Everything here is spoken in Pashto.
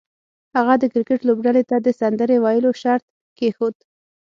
هغه د کرکټ لوبډلې ته د سندرې ویلو شرط کېښود